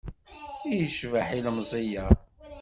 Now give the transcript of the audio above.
I yecbeḥ ilemẓi-a!